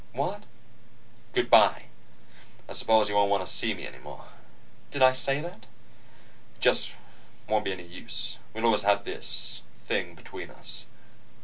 "What?" "Good bye. I suppose you won't want to see me any more." "Did I say that?" "It just won't be any use. We'll always have this thing between us."